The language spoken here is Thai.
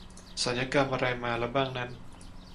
ศัลยกรรมอะไรมาแล้วบ้างนั้น